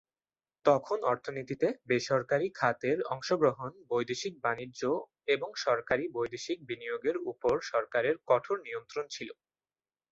তখন অর্থনীতিতে বেসরকারী খাতের অংশগ্রহণ, বৈদেশিক বাণিজ্য এবং সরাসরি বৈদেশিক বিনিয়োগের উপর সরকারের কঠোর নিয়ন্ত্রণ ছিল।